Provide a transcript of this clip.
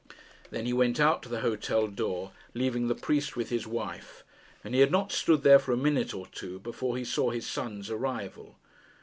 Then he went out to the hotel door, leaving the priest with his wife, and he had not stood there for a minute or two before he saw his son's arrival.